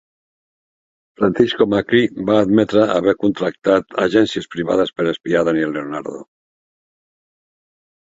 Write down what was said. Francisco Macri va admetre haver contractat agències privades per espiar Daniel Leonardo.